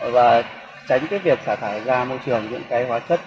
và tránh việc xả thải ra môi trường những hóa chất